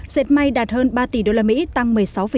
sệt may đạt hơn ba tỷ đô la mỹ tăng một mươi sáu chín